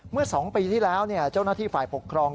เมื่อ๒ปีที่แล้วเจ้าหน้าที่ฝ่ายปกครอง